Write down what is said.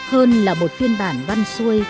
hơn là một phiên bản văn xuôi